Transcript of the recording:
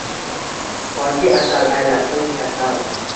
Toki asal aylasin kasal.